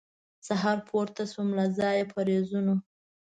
سهار پورته سوم له ځایه په رېزونو